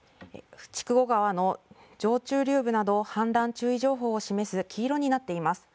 筑後川の上中流部など氾濫注意情報を示す黄色になっています。